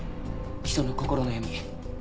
人の心の闇。